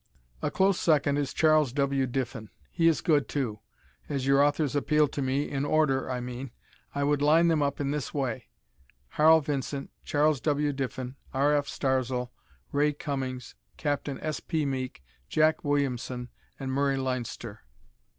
A close second is Charles W. Diffin. He is good, too. As your authors appeal to me, in order, I mean. I would line them up in this way: Harl Vincent, Charles W. Diffin, R. F. Starzl, Ray Cummings, Capt. S. P. Meek, Jack Williamson and Murray Leinster.